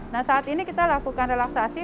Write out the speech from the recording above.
nah saat ini kita lakukan relaksasi